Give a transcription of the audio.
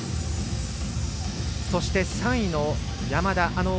そして、３位の山田。